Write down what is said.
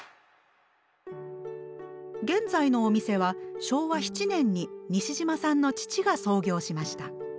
現在のお店は昭和７年に西島さんの父が創業しました。